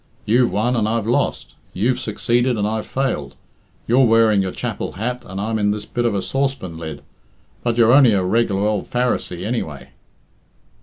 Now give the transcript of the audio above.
You've won and I've lost, you've succeeded and I've failed, you're wearing your chapel hat and I'm in this bit of a saucepan lid, but you're only a reg'lar ould Pharisee, anyway."